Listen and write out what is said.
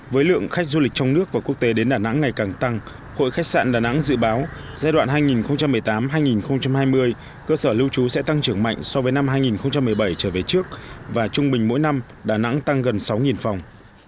với lượng khách du lịch trong nước và quốc tế đến đà nẵng ngày càng tăng hội khách sạn đà nẵng dự báo giai đoạn hai nghìn một mươi tám hai nghìn hai mươi cơ sở lưu trú sẽ tăng trưởng mạnh so với năm hai nghìn một mươi bảy trở về trước và trung bình mỗi năm đà nẵng tăng gần sáu phòng